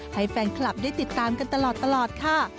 ให้แฟนคลับได้ติดตามกันตลอดค่ะ